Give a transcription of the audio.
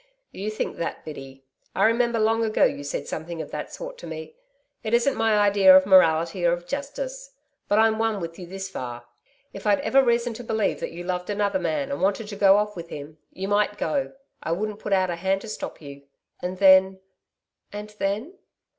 'You think that, Biddy. I remember long ago you said something of that sort to me. It isn't my idea of morality or of justice. But I'm one with you this far. If I'd ever reason to believe that you loved another man and wanted to go off with him you might go I wouldn't put out a hand to stop you. And then....' 'And then?'